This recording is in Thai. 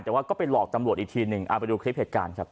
แต่ว่าก็ไปหลอกตำรวจอีกทีหนึ่งเอาไปดูคลิปเหตุการณ์ครับ